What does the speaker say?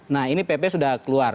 nah ini pp sudah keluar